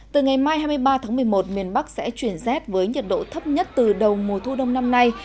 từ ngày mai hai mươi ba tháng một mươi một miền bắc sẽ chuyển rét với nhiệt độ thấp nhất từ đầu mùa thu đông năm nay